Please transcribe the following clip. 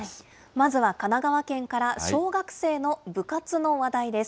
まずは神奈川県から、小学生の部活の話題です。